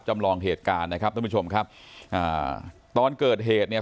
จำลองเหตุการณ์นะครับท่านผู้ชมครับอ่าตอนเกิดเหตุเนี่ย